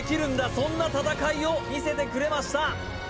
そんな戦いを見せてくれました